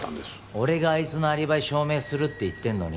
俺があいつのアリバイ証明するって言ってんのに